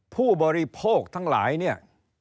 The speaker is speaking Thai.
ผู้บริโภคทั้งหลาย